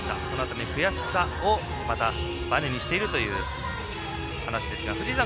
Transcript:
そのあとに悔しさをまた、バネにしているという話でした。